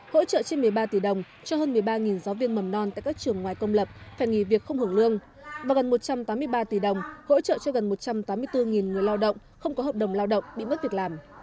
hỗ trợ trên một mươi ba tỷ đồng cho hơn một mươi ba giáo viên mầm non tại các trường ngoài công lập phải nghỉ việc không hưởng lương và gần một trăm tám mươi ba tỷ đồng hỗ trợ cho gần một trăm tám mươi bốn người lao động không có hợp đồng lao động bị mất việc làm